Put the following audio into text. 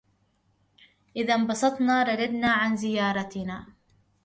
إذا انبسطنا رددنا عن زيارتنا